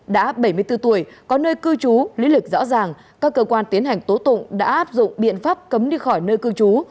đã bảy mươi bốn tuổi có nơi cư trú lý lịch rõ ràng các cơ quan tiến hành tố tụng đã áp dụng biện pháp cấm đi khỏi nơi cư trú